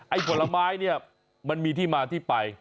ผลไม้เนี่ยมันมีที่มาที่ไป